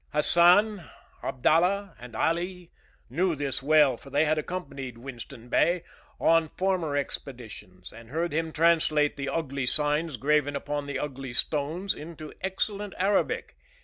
Hassan, Abdallah and Ali knew this well, for they had accompanied Winston Bey on former expeditions, and heard him translate the ugly signs graven upon the ugly stones into excellent Arabic.